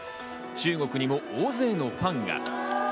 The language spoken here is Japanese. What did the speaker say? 中国にも大勢のファンが。